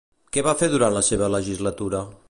Què va fer durant la seva legislatura?